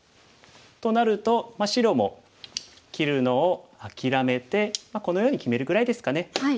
となると白も切るのを諦めてこのように決めるぐらいですかね。